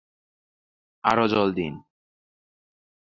আরো জল দিন।